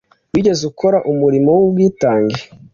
wigeze ukora umurimo w'ubwitange